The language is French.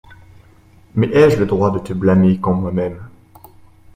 Mais ai-je le droit de te blâmer quand moi-même …